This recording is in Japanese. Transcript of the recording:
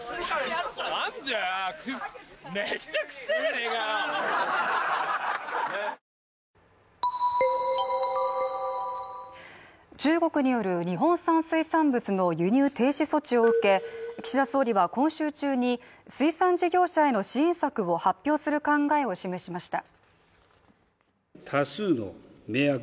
何でクサ中国による日本産水産物の輸入停止措置を受け岸田総理は今週中に水産事業者への支援策を発表する考えを示しました